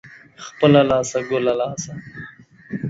خپله لاسه ، گله لاسه.